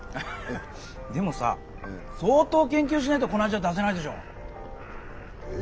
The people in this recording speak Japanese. でもさ相当研究しないとこの味は出せないでしょ？え？